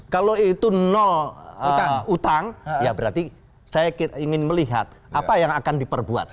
kalau itu nol utang ya berarti saya ingin melihat apa yang akan diperbuat